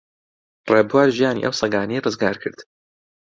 ڕێبوار ژیانی ئەو سەگانەی ڕزگار کرد.